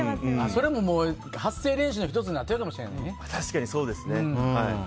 それも発声練習の１つになってるかもしれないね。